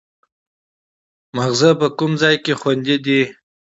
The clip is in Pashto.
مغز په کوم ځای کې خوندي دی